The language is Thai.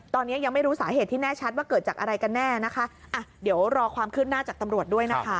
ตอนนี้ยังไม่รู้สาเหตุที่แน่ชัดว่าเกิดจากอะไรกันแน่นะคะอ่ะเดี๋ยวรอความคืบหน้าจากตำรวจด้วยนะคะ